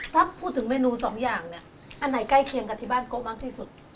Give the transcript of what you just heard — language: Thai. ถ้าพูดถึงเมนูสองอย่างเนี่ยอันไหนใกล้เคียงกับที่บ้านโกะมากที่สุด